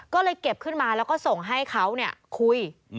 ก็เลยเก็บขึ้นมาแล้วก็ส่งให้เขาคุย